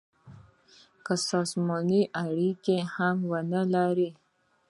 که سازماني اړیکي هم ونه لري.